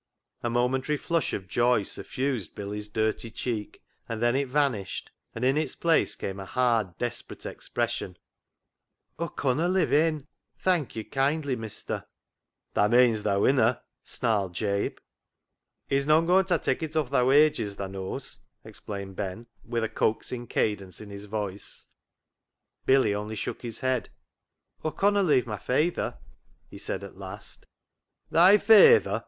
A momentary flush of joy suffused Billy's dirty cheek, and then it vanished, and in its place came a hard, desperate expression. " Aw conna live in ; thank yo' kindly, mestur." " Tha means tha winna," snarled Jabe. " He's none goin' ta knock it off thy wages, tha knows," explained Ben, with a coaxing cadence in his voice. Billy only shook his head. " Aw conna leave my fayther," he said at last. " Thy fayther